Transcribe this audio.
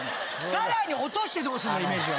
さらに落としてどうすんだ。